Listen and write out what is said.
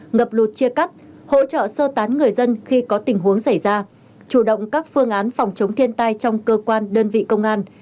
ngập lụt chia cắt hỗ trợ sơ tán người dân khi có tình huống xảy ra chủ động các phương án phòng chống thiên tai trong cơ quan đơn vị công an